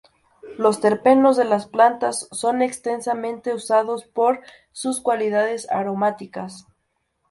Los terpenos de las plantas son extensamente usados por sus cualidades aromáticas.